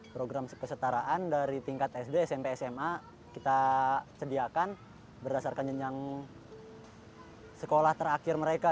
program kesetaraan dari tingkat sd smp sma kita sediakan berdasarkan jenjang sekolah terakhir mereka